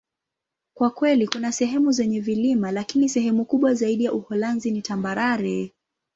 Kwa kweli, kuna sehemu zenye vilima, lakini sehemu kubwa zaidi ya Uholanzi ni tambarare.